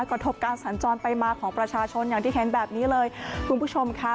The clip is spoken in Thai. กระทบการสัญจรไปมาของประชาชนอย่างที่เห็นแบบนี้เลยคุณผู้ชมค่ะ